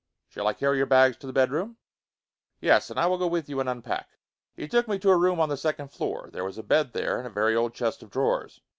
"Shall I carry your bags to the bedroom?" "Yes. And I will go with you and unpack." He took me to a room on the second floor. There was a bed there and a very old chest of drawers.